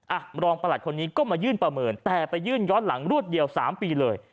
รองประหลัดคนนี้ก็มายื่นประเมินแต่ไปยื่นย้อนหลังรวดเดียว๓ปีเลย